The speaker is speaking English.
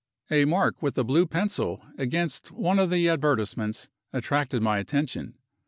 A mark with a blue pencil, against one of the advertisements, attracted my attention.